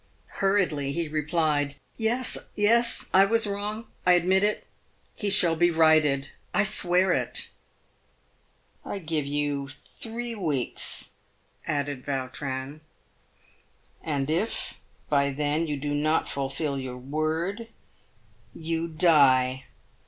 Hurriedly he replied, " Yes, I was wrong. I admit it. He shall be righted, I swear it." PAVED WITH GOLD. 405 " I give you three weeks," added Yautrin, " and, if by then you do not fulfil your word, you die.